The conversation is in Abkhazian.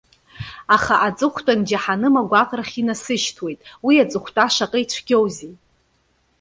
Аха аҵыхәтәан џьаҳаным агәаҟрахь инасышьҭуеит. Уи аҵыхәтәа шаҟа ицәгьоузеи!